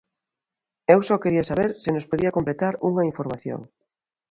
Eu só quería saber se nos podía completar unha información.